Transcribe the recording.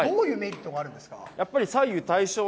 どういうメリットがあるんですか？